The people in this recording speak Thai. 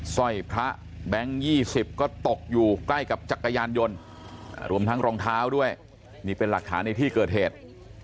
สร้อยพระแบงค์๒๐ก็ตกอยู่ใกล้กับจักรยานยนต์รวมทั้งรองเท้าด้วยนี่เป็นหลักฐานในที่เกิดเหตุ